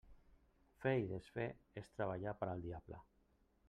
Fer i desfer és treballar per al diable.